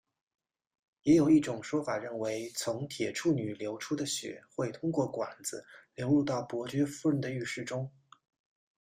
也有一种说法认为从铁处女流出的血会通过管子流入到伯爵夫人的浴室中。